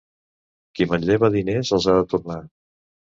Qui manlleva diners els ha de tornar.